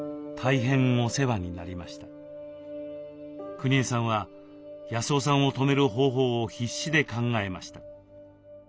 くにえさんは康雄さんを止める方法を必死で考えました。